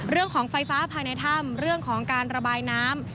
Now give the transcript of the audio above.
เรื่องของไฟฟ้าภายในถ้ำเรื่องของการระบายน้ำ